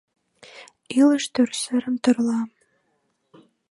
Илыш тӧрсырым тӧрла.